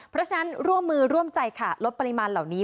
เพราะฉะนั้นร่วมมือร่วมใจค่ะลดปริมาณเหล่านี้